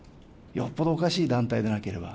よっぽどおかしい団体でなければ。